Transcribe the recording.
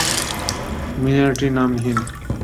মিনারটি নামহীন।